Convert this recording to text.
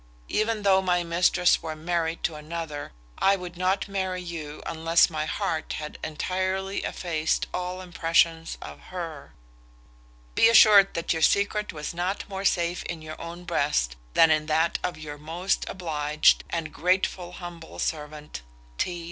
Even though my mistress were married to another, I would not marry you unless my heart had entirely effaced all impressions of her. Be assured that your secret was not more safe in your own breast, than in that of your most obliged, and grateful humble servant, "T.